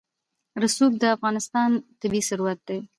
رسوب د افغانستان طبعي ثروت دی.